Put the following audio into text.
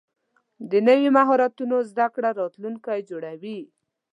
د نوي مهارتونو زده کړه راتلونکی جوړوي.